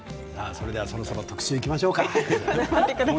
そろそろ特集にいきましょうか。